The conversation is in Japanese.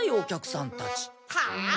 はあ？